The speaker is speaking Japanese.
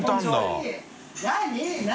何？